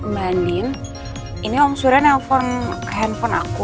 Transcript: mbak nin ini om suran yang handphone aku